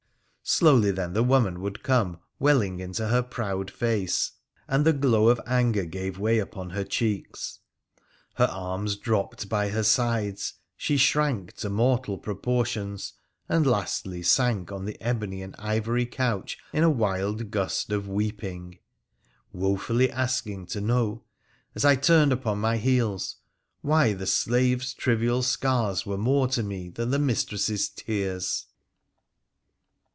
Slowly then the woman would come welling into her proud face ; and the glow of anger gave way upon her cheeks ; her arms dropped by her sides ; she shrank to mortal proportions, and lastly sank on the ebony and ivory couch in a wild gust of weeping, wofully asking to know, as I turned upon my heels, why the slave's trivial scars were more to me than the mistress's tears.